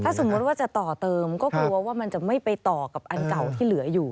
สมมุติว่าจะต่อเติมก็กลัวว่ามันจะไม่ไปต่อกับอันเก่าที่เหลืออยู่